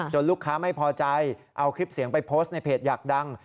ลูกค้าไม่พอใจเอาคลิปเสียงไปโพสต์ในเพจอยากดัง